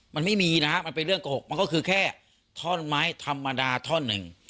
มันไม่มีนะมันเป็นเรื่องโกหกมันก็คือแค่ท่อนไม้ธรรมดาท่อนหนึ่ง